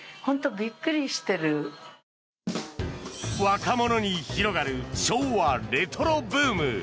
若者に広がる昭和レトロブーム。